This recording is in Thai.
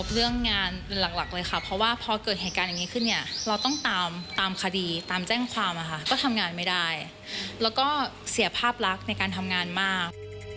เรื่องงานหลักเลยค่ะเพราะว่าพอเกิดเหตุการณ์อย่างนี้ขึ้นเนี่ยเราต้องตามคดีตามแจ้งความก็ทำงานไม่ได้แล้วก็เสียภาพลักษณ์ในการทำงานมาก